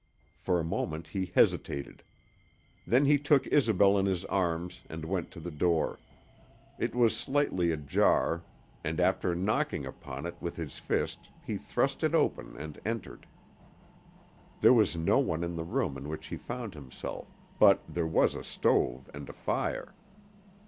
For a moment he hesitated. Then he took Isobel in his arms and went to the door. It was slightly ajar, and after knocking upon it with his fist he thrust it open and entered. There was no one in the room in which he found himself, but there was a stove and a fire.